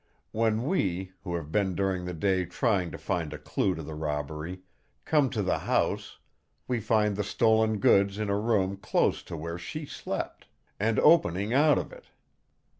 When we, who have been during the day trying to find a clue to the robbery, come to the house, we find the stolen goods in a room close to where she slept, and opening out of it!"